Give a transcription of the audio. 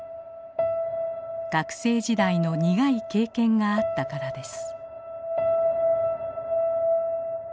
学生時代の苦い経験があったからです。